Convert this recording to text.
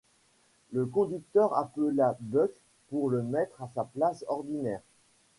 Le conducteur appela Buck pour le mettre à sa place ordinaire.